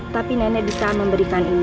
tapi nenek bisa memberikan ini